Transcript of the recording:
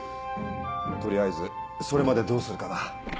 取りあえずそれまでどうするかだ。